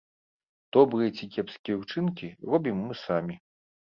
Добрыя ці кепскія ўчынкі робім мы самі.